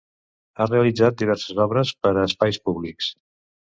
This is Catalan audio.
Ha realitzat diverses obres per a espais públics.